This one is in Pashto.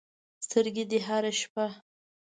سترګې دې هره شپه